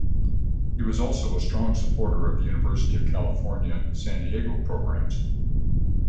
He was also a strong supporter of University of California, San Diego programs.